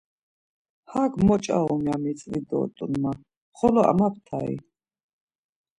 Hek mo ç̌arum ya miztvi dort̆un ma, xolo amaptai?